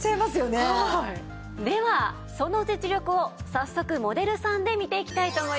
ではその実力を早速モデルさんで見ていきたいと思います。